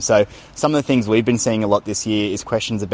jadi beberapa hal yang kita lihat banyak tahun ini adalah pertanyaan